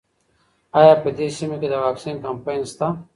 ایا په دې سیمه کې د واکسین کمپاین شته؟